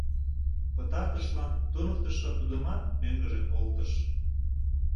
Пытартышлан туныктышо тудымат мӧҥгыжӧ колтыш.